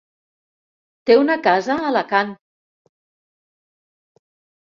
Té una casa a Alacant.